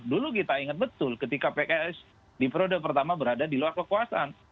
dulu kita ingat betul ketika pks di periode pertama berada di luar kekuasaan